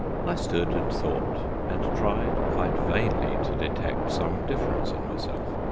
I stood and thought, and tried quite vainly to detect some difference in myself.